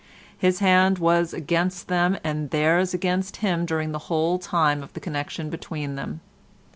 His hand was against them, and theirs against him during the whole time of the connection between them.